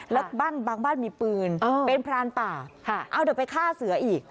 แล้วบ้านบางบ้านมีปืนเป็นพรานป่าเอาเดี๋ยวไปฆ่าเสืออีก